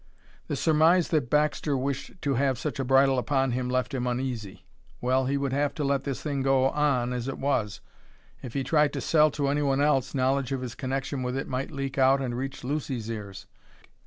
The surmise that Baxter wished to have such a bridle upon him left him uneasy. Well, he would have to let this thing go on as it was. If he tried to sell to any one else knowledge of his connection with it might leak out and reach Lucy's ears.